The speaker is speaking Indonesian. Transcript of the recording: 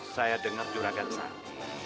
saya dengar juragan sampai